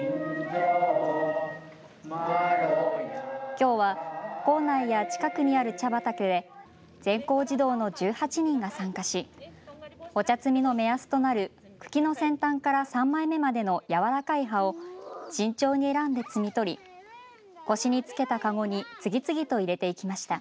きょうは校内や近くにある茶畑で全校児童の１８人が参加しお茶摘みの目安となる茎の先端から３枚目までのやわらかい葉を慎重に選んで摘み取り腰につけた籠に次々と入れていきました。